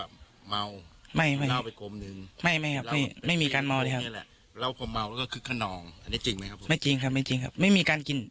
เขาไปเอาข้อมูลตรงนี้มาดังไหน